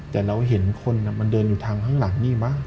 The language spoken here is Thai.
แต่เราเห็นคนมันเดินอยู่ทางข้างหลังนี่มั้ง